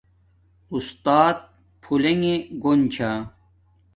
اُستات پھلگے گھون چھا